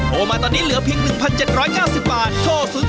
โทรมาตอนนี้เหลือเพียง๑๗๙๐บาท